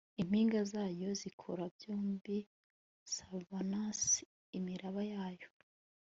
impinga zayo zikora byombi, savannas, imiraba yayo